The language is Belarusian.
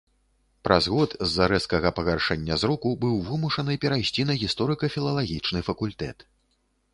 Праз год з-за рэзкага пагаршэння зроку быў вымушаны перайсці на гісторыка-філалагічны факультэт.